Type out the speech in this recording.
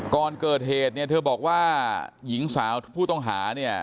ก่อนเกิดเหตุเนี่ยเธอบอกว่าหญิงสาวผู้ต้องหาเนี่ย